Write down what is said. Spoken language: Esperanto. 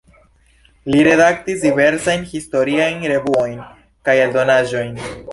Li redaktis diversajn historiajn revuojn kaj eldonaĵojn.